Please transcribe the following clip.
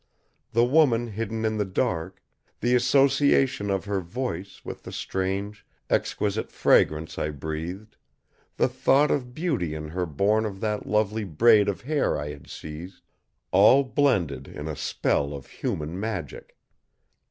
The woman hidden in the dark, the association of her voice with the strange, exquisite fragrance I breathed, the thought of beauty in her born of that lovely braid of hair I had seized all blended in a spell of human magic.